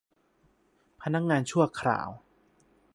พนักงานชั่วคราว